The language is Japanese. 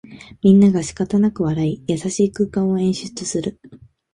みんながしかたなく笑い、優しい空間を演出する